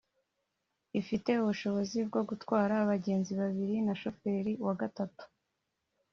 Ifite ubushobozi bwo gutwara abagenzi babiri na shoferi wa gatatu